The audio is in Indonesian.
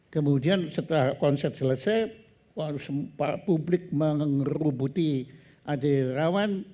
kemudian setelah konsert selesai publik mengerubuti adik irawan